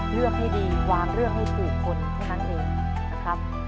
เลือกให้ดีอวกเรื่องให้ฝูกคนให้มั่งเร็วครับ